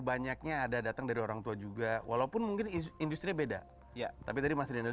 banyaknya ada datang dari orang tua juga walaupun mungkin industri beda ya tapi tadi mas riano